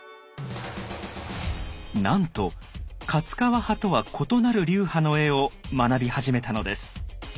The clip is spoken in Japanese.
なんと勝川派とは異なる流派の絵を学び始めたのです。